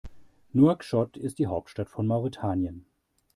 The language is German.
Nouakchott ist die Hauptstadt von Mauretanien.